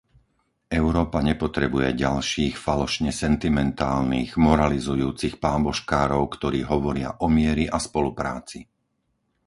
Európa nepotrebuje ďalších falošne sentimentálnych, moralizujúcich pánbožkárov, ktorí hovoria o mieri a spolupráci.